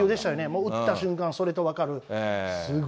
もう打った瞬間、それと分かる。